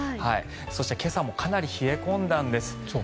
そして今朝もかなり冷え込んだんです。